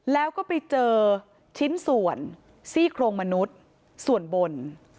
แล้วก็ไปเจอชิ้นส่วนซี่โครงมนุษย์ส่วนบน